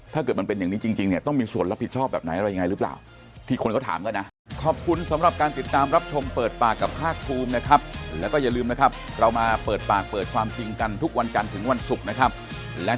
ถ้าเกิดมันเป็นอย่างนี้จริงเนี่ยต้องมีส่วนรับผิดชอบแบบไหนอะไรยังไงหรือเปล่า